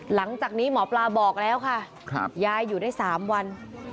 หลังจากนี้หมอปลาบอกแล้วค่ะยายอยู่ได้๓วัน